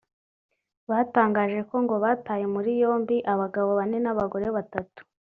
batangaje ko ngo bataye muri yombi abagabo bane n’abagore batatu